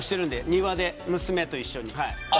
庭で娘と一緒に。